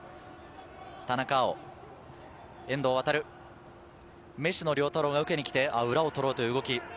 田中碧、遠藤航、食野亮太郎が受けに来て、裏を取ろうという動き。